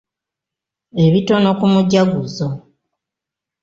Ebitono ku mujaguzo.